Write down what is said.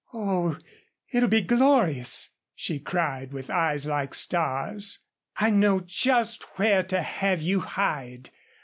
"Oh, it'll be glorious," she cried, with eyes like stars. "I know just where to have you hide.